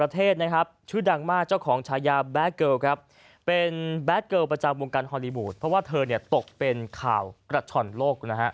เธอตกเป็นข่าวกระช่อนโรค